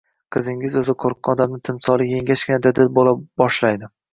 Qizingiz o‘zi qo‘rqqan odamni timsoliy yenggachgina dadil bo'la boshlaydi.